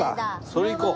それ行こう。